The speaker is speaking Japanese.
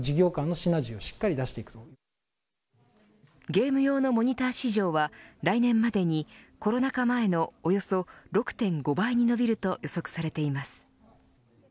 ゲーム用のモニター市場は来年までにコロナ禍前のおよそ６．５倍に伸びると予測されています。